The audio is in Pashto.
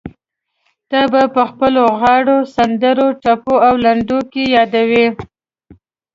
تا به په خپلو غاړو، سندرو، ټپو او لنډيو کې يادوي.